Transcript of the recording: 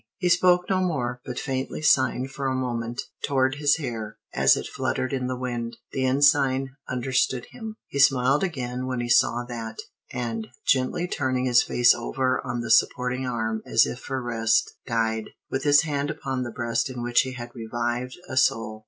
He spoke no more, but faintly signed for a moment toward his hair as it fluttered in the wind. The Ensign understood him. He smiled again when he saw that, and, gently turning his face over on the supporting arm as if for rest, died, with his hand upon the breast in which he had revived a soul.